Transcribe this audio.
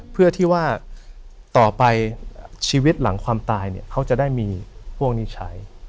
เพื่อที่ว่าต่อไปชีวิตหลังความตายเนี่ยเขาจะได้มีพวกนี้ใช้